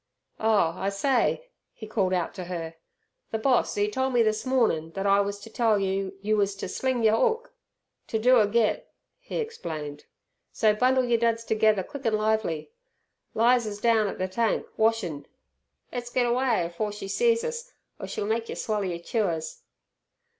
"Oh, I say!" he called out to her. "Ther boss 'e tole me this mornin' thet I wus ter tell you, you wus ter sling yer 'ook. To do a get," he explained. "So bundle yer duds tergether quick an' lively! Liza's down at ther tank, washin'. Le'ss get away afore she sees us, or she'll make yer swaller yer chewers."